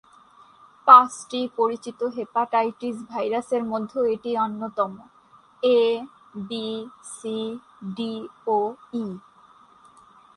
পাঁচটি পরিচিত হেপাটাইটিস ভাইরাসের মধ্যে এটি অন্যতম: এ, বি, সি, ডি, ও ই।